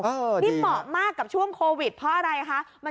นี่เหมาะมากกับช่วงโควิดเพราะอะไรคะ